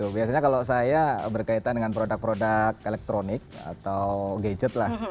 biasanya kalau saya berkaitan dengan produk produk elektronik atau gadget lah